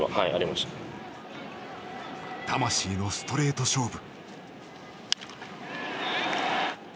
魂のストレート勝負。